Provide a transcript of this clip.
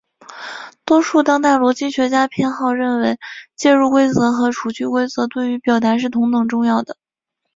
多数当代逻辑学家偏好认为介入规则和除去规则对于表达是同等重要的。